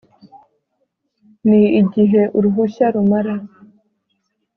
ni igihe uruhushya rumara